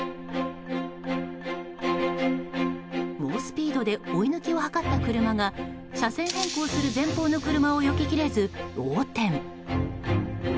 猛スピードで追い抜きを図った車が車線変更する前方の車をよけきれず、横転。